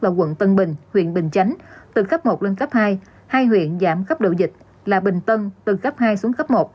và quận tân bình huyện bình chánh từ cấp một lên cấp hai hai huyện giảm cấp độ dịch là bình tân từ cấp hai xuống cấp một